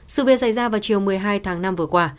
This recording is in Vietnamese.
sự việc xảy ra vào chiều một mươi hai tháng năm vừa qua